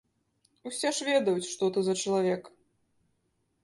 Усе ж ведаюць, што ты за чалавек.